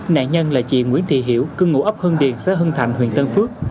nạn nhân là chị nguyễn thị hiểu cưng ngũ ấp hưng điền xã hưng thành huyện tân phước